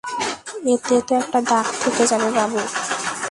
এতে তো একটা দাগ থেকে যাবে, বাবু।